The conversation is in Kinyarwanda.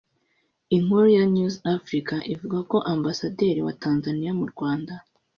Inkuru ya News Africa ivuga ko Ambasaderi wa Tanzania mu Rwanda